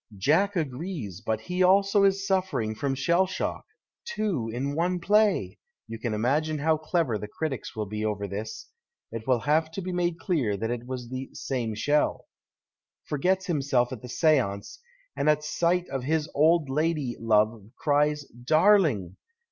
Jack agrees, but he also is suffering from shell shock (two in one play ! you can imagine how clever the critics will be over this — it will have to be made clear that it was the same shell), forgets himself at the stance, and at sight of his old lady love cries " Darling